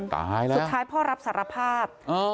ตายแล้วสุดท้ายพ่อรับสารภาพ